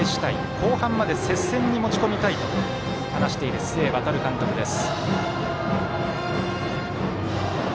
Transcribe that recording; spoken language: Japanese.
後半まで接戦に持ち込みたいと話している、須江航監督です。